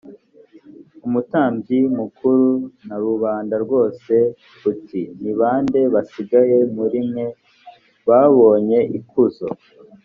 umutambyi mukuru na rubanda rwose uti ni ba nde basigaye muri mwe babonye ikuzo